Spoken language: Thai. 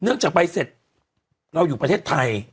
เนื่องจากใบเสดแล้วอยู่ประเทศไทย